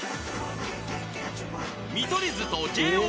［見取り図とＪＯ